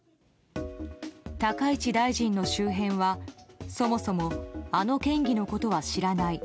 高市大臣の周辺はそもそもあの県議のことは知らない。